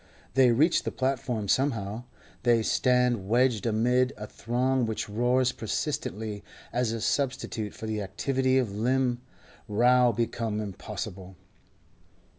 They reach the platform somehow; they stand wedged amid a throng which roars persistently as a substitute for the activity of limb now become impossible.